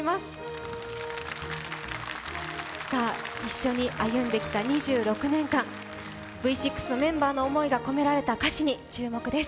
一緒に歩んできた２６年間Ｖ６のメンバ−の思いが込められた歌詞に注目です。